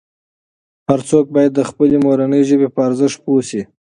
هر څوک باید د خپلې مورنۍ ژبې په ارزښت پوه سي.